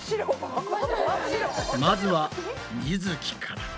まずはみづきから。